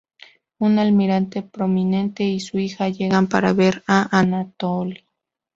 Un almirante prominente y su hija llegan para ver a Anatoly.